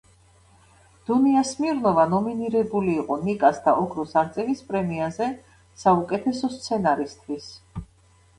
დუნია სმირნოვა ნომინირებული იყო „ნიკას“ და „ოქროს არწივის“ პრემიაზე საუკეთესო სცენარისთვის.